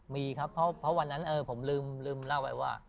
มีครับเพราะวันนั้นผมลืมเล่าไปว่า